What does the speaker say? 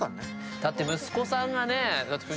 だって息子さんがね。